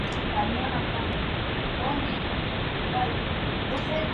Estando en París se casó con una parisina, con la que tuvo cuatro hijos.